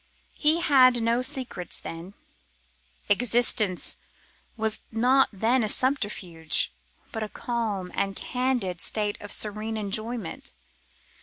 He had no secrets then. Existence was not then a subterfuge, but a calm and candid state of serene enjoyment.